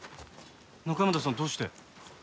中山田さんどうして？